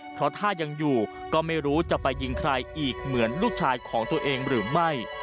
เพราะถ้ายังอยู่ก็ไม่รู้จะไปยิงใครอีกเหมือนลูกชายของตัวเองหรือไม่